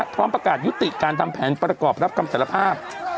พร้อมประกาศยุติการทำแผนประกอบรับคำสารภาพ